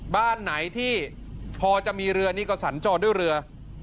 บ้านไหนที่พอจะมีเรือนี่ก็สัญจรด้วยเรือ